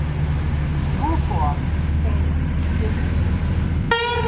Vul'fov, A, ibid.